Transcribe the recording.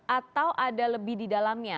atau ada lebih di dalamnya